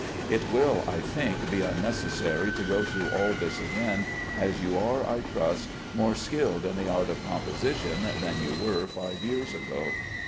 It will, I think, be unnecessary to go through all this again, as you are, I trust, more skilled in the art of composition than you were five years ago.